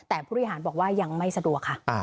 แต่ผู้บริหารบอกว่ายังไม่สะดวกค่ะ